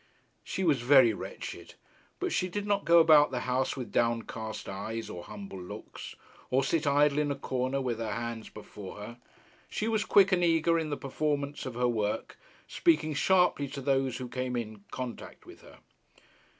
She was very wretched, but she did not go about the house with downcast eyes or humble looks, or sit idle in a corner with her hands before her. She was quick and eager in the performance of her work, speaking sharply to those who came in contact with her.